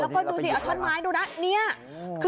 แล้วก็ดูซิเอาท่อนไม้เลยนะ